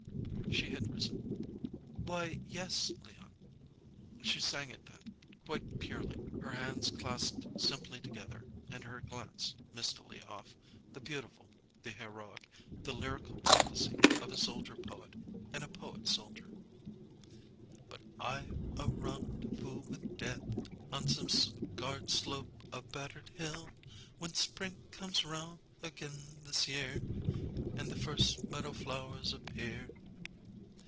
She had risen. "Why, yes, Leon." She sang it then, quite purely, her hands clasped simply together and her glance mistily off, the beautiful, the heroic, the lyrical prophecy of a soldier poet and a poet soldier: "But I've a rendezvous with Death On some scarred slope of battered hill, When spring comes round again this year And the first meadow flowers appear."